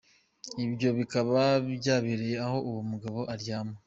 Ibyo bikaba byabereye aho uwo mugabo aryama.